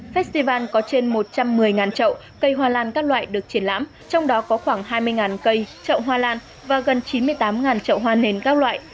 festival có trên một trăm một mươi trậu cây hoa lan các loại được triển lãm trong đó có khoảng hai mươi cây trậu hoa lan và gần chín mươi tám trậu hoa nến các loại